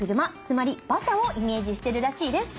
つまり馬車をイメージしてるらしいです。